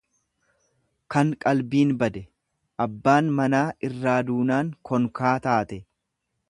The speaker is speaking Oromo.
kan qalbiin bade; Abbaan manaa irraa duunaan konkaa taate.